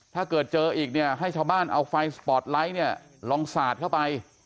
ถ้าเกิดเจออีกเนี่ยให้ชาวบ้านเอาไฟสปอร์ตไลท์เนี่ยลองสาดเข้าไป